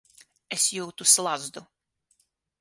Es jūtu slazdu.